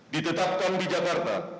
ditetapkan di jakarta